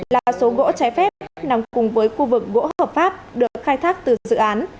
là số gỗ trái phép nằm cùng với khu vực gỗ hợp pháp được khai thác từ dự án